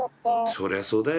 そりゃそうだよ